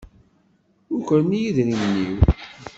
Ukren-iyi idrimen-iw.